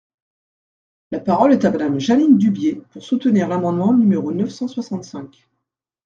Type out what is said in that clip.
La parole est à Madame Jeanine Dubié, pour soutenir l’amendement numéro neuf cent soixante-cinq.